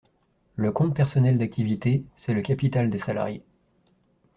Le compte personnel d’activité, c’est le capital des salariés.